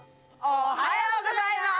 おはようございます！